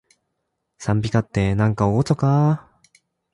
讃美歌って、なんかおごそかー